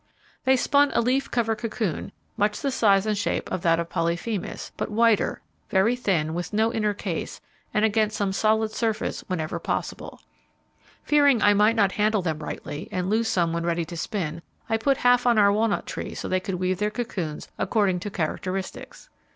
They spun a leaf cover cocoon, much the size and shape of that of Polyphemus, but whiter, very thin, with no inner case, and against some solid surface whenever possible. Fearing I might not handle them rightly, and lose some when ready to spin, I put half on our walnut tree so they could weave their cocoons according to characteristics.